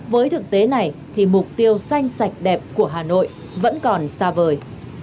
với thực tế này thì mục tiêu xanh sạch đẹp của hà nội vẫn còn xa vời